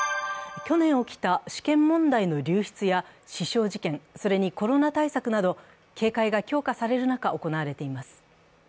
去年起きた試験問題の流出や死傷事件、それにコロナ対策など警戒が強化される中行われています。